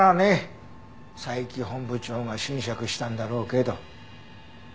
佐伯本部長が斟酌したんだろうけど。